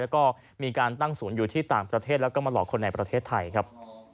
แล้วก็มีการตั้งศูนย์อยู่ที่ต่างประเทศแล้วก็มาหลอกคนในประเทศไทยครับ